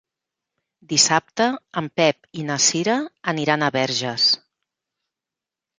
Dissabte en Pep i na Cira aniran a Verges.